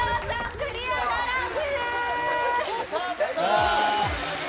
クリアならず。